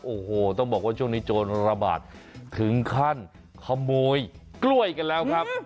โอ้โหต้องบอกว่าช่วงนี้โจรระบาดถึงขั้นขโมยกล้วยกันแล้วครับ